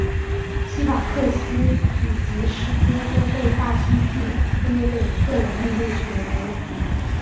西法克斯与吉斯戈都被大西庇阿的个人魅力所折服。